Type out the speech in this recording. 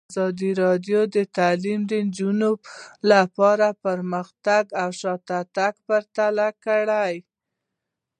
ازادي راډیو د تعلیمات د نجونو لپاره پرمختګ او شاتګ پرتله کړی.